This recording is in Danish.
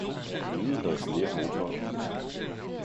Flyet havde flere motorer.